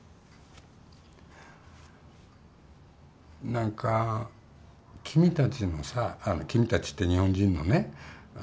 何か君たちのさ「君たち」って日本人のね